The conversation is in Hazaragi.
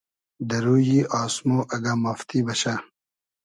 دۂ رویی آسمۉ اگۂ مافتی بئشۂ